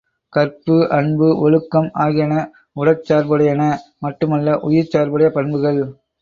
கற்பு, அன்பு, ஒழுக்கம் ஆகியன உடற் சார்புடையன மட்டுமல்ல உயிர்ச் சார்புடைய பண்புகள்.